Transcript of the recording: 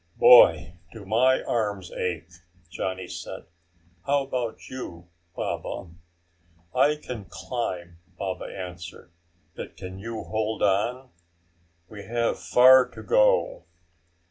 "Boy, do my arms ache!" Johnny said. "How about you, Baba?" "I can climb," Baba answered. "But can you hold on? We have far to go."